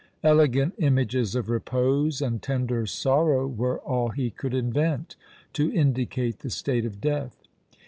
Elegant images of repose and tender sorrow were all he could invent to indicate the state of death.